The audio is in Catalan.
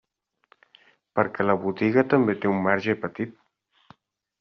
Perquè la botiga també té un marge petit.